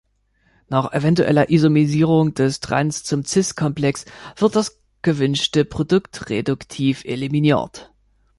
Nach eventueller Isomerisierung des "trans"- zum "cis"-Komplex wird das gewünschte Produkt reduktiv eliminiert.